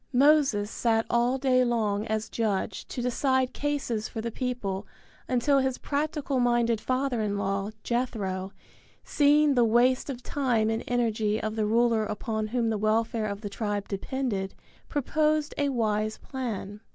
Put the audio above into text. Moses sat all day long as judge to decide cases for the people until his practical minded father in law, Jethro, seeing the waste of time and energy of the ruler upon whom the welfare of the tribe depended, proposed a wise plan.